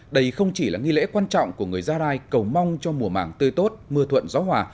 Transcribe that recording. đây không chỉ là nghi lễ quan trọng của người gia rai cầu mong cho mùa mảng tươi tốt mưa thuận gió hòa